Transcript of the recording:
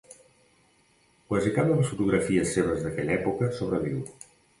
Quasi cap de les fotografies seves d'aquella època sobreviu.